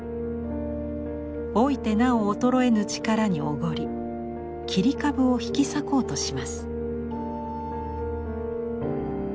老いてなお衰えぬ力におごり切り株を引き裂こうとします。